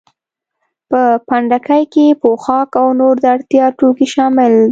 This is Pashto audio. په پنډکي کې پوښاک او نور د اړتیا توکي شامل وو.